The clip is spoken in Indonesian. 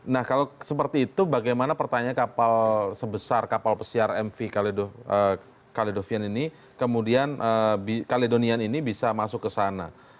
nah kalau seperti itu bagaimana pertanyaan kapal sebesar kapal pesiar mv caledonian ini kemudian bisa masuk kesana